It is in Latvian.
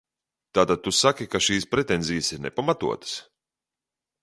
Tātad tu saki, ka šīs pretenzijas ir nepamatotas?